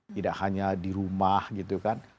tidak hanya di rumah gitu kan